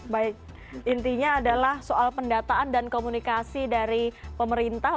baik intinya adalah soal pendataan dan komunikasi dari pemerintah